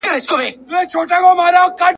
نن که یې ماشومه سبا پېغله ښایسته یې !.